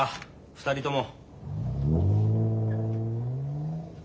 ２人とも。